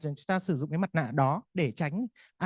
chúng ta sử dụng mặt nạ đó để tránh